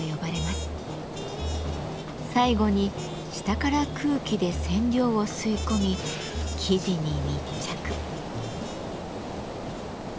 最後に下から空気で染料を吸い込み生地に密着。